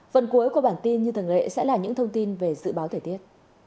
phần cuối của bản tin như thường lệ sẽ là những thông tin về dự báo thời tiết